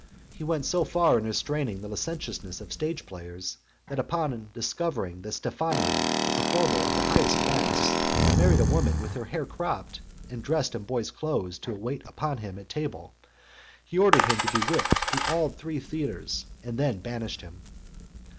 He went so far in restraining the licentiousness of stage players, that upon discovering that Stephanio, a performer of the highest class, had a married woman with her hair cropped, and dressed in boy's clothes, to wait upon him at table, he ordered him to be whipped through all the three theatres, and then banished him.